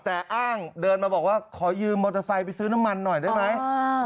แต่อ้างเดินมาบอกว่าขอยืมมอเตอร์ไซค์ไปซื้อน้ำมันหน่อยได้ไหม